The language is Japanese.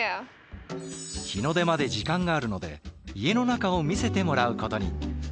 日の出まで時間があるので家の中を見せてもらうことに。